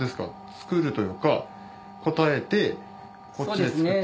作るというか応えてこっちで作って。